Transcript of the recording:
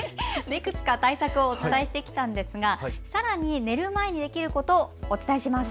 いくつか対策をお伝えしてきたんですがさらに寝る前にできることをお伝えします。